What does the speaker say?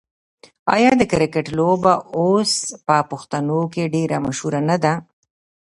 آیا د کرکټ لوبه اوس په پښتنو کې ډیره مشهوره نه ده؟